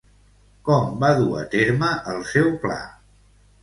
Com va dur a terme el seu pla?